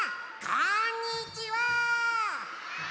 こんにちは！